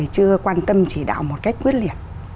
chưa quan tâm chỉ đạo một cách quyết liệt